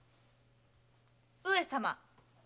・上様。